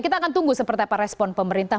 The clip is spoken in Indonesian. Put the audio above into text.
kita akan tunggu seperti apa respon pemerintah